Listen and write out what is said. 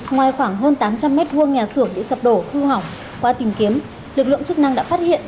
ngoài khoảng hơn tám trăm linh mét vuông nhà xưởng bị sập đổ thư hỏng qua tìm kiếm lực lượng chức năng đã phát hiện